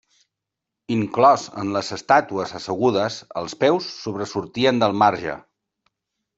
Inclòs en les estàtues assegudes els peus sobresortien del marge.